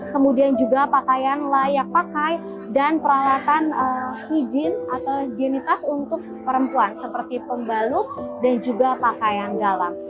kemudian juga pakaian layak pakai dan peralatan hijin atau identitas untuk perempuan seperti pembalut dan juga pakaian dalam